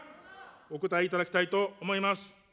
お答えいただきたいと思います。